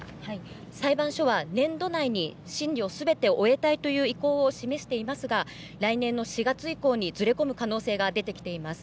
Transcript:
裁判所は年度内に審理をすべて終えたいという意向を示していますが来年の４月以降にずれ込む可能性が出てきています。